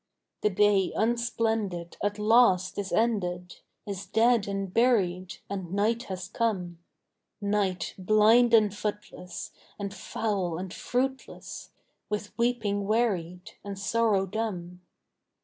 The day, unsplendid, at last is ended, Is dead and buried, and night has come; Night, blind and footless, and foul and fruitless, With weeping wearied, and sorrow dumb.